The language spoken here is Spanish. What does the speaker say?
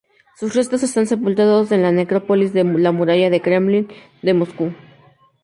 Sus restos están sepultados en la Necrópolis de la Muralla del Kremlin de Moscú.